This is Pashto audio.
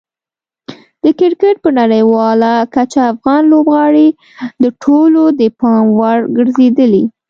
د کرکټ په نړیواله کچه افغان لوبغاړي د ټولو د پام وړ ګرځېدلي.